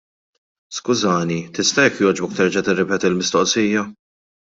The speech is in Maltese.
Skużani, tista' jekk jogħġbok terġa' tirrepeti l-mistoqsija?